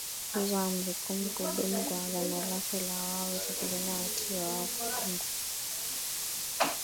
hizo amri kumi Kudumu kwa agano lake na Wao itategemea Utii wao kwa Amri